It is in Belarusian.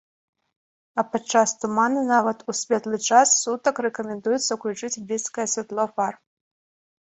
А падчас туману нават у светлы час сутак рэкамендуецца ўключаць блізкае святло фар.